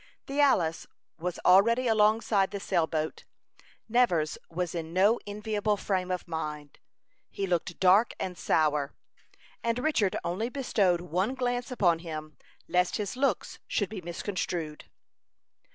The Alice was already alongside the sail boat. Nevers was in no enviable frame of mind; he looked dark and sour, and Richard only bestowed one glance upon him, lest his looks should be misconstrued.